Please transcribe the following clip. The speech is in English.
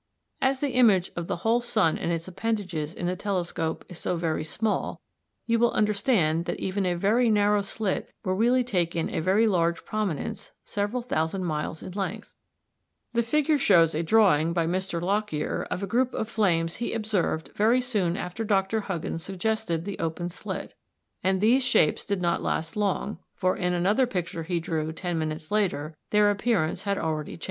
As the image of the whole sun and its appendages in the telescope is so very small, you will understand that even a very narrow slit will really take in a very large prominence several thousand miles in length. Fig 51 shows a drawing by Mr. Lockyer of a group of flames he observed very soon after Dr. Huggins suggested the open slit, and these shapes did not last long, for in another picture he drew ten minutes later their appearance had already changed.